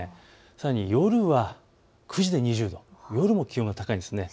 さらに夜は９時で２０度、夜も気温が高いです。